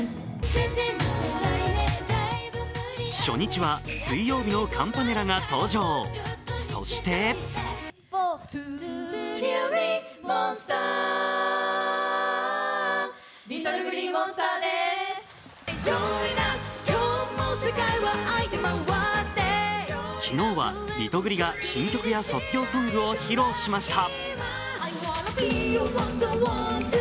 初日は水曜日のカンパネラが登場、そして昨日はリトグリが新曲や卒業ソングを披露しました。